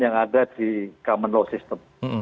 yang ada di common law system